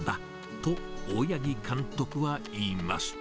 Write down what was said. と、大八木監督は言います。